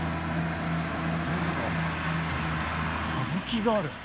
それなら歌舞伎がある。